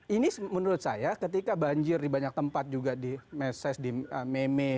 ini menurut saya ketika banjir di banyak tempat juga di meses di meme